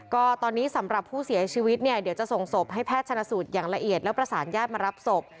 ก็ตอนนี้สำหรับผู้เสียชีวิตเนี่ยเดี๋ยวจะส่งศพให้แพทย์ชนะสูตรอย่างละเอียดแล้วประสานญาติมารับศพ